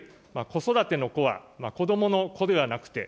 子育てのこは子どもの子ではなくて、